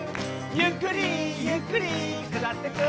「ゆっくりゆっくり下ってく」